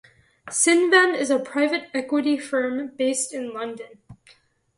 Cinven is a private equity firm based in London.